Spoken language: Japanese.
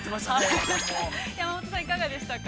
◆山本さん、いかがでしたか。